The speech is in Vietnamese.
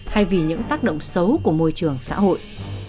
hay vì những tác động xấu của môi trường xã hội